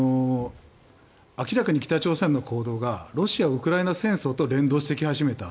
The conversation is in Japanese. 明らかに北朝鮮の行動がロシア・ウクライナ戦争と連動し始めた。